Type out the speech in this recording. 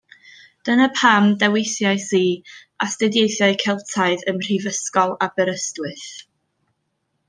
Dyna pam dewisais i Astudiaethau Celtaidd ym mhrifysgol Aberystwyth